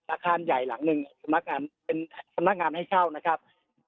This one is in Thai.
อาคารใหญ่หลังหนึ่งสำนักงานให้เช่านะครับ